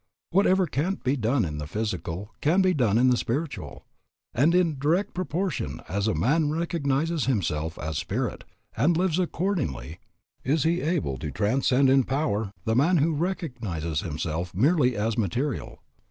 Whatever can't be done in the physical can be done in the spiritual. And in direct proportion as a man recognizes himself as spirit, and lives accordingly, is he able to transcend in power the man who recognizes himself merely as material.